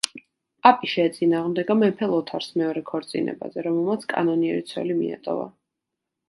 პაპი შეეწინააღმდეგა მეფე ლოთარს მეორე ქორწინებაზე, რომელმაც კანონიერი ცოლი მიატოვა.